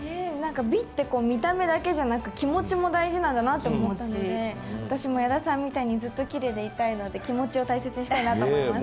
美って見た目だけじゃなく気持ちも大事だなと思ったので私も矢田さんみたいにずっときれいでいたいので気持ちを大切にしたいと思います。